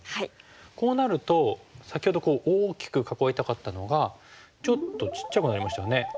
こうなると先ほど大きく囲いたかったのがちょっとちっちゃくなりましたよね。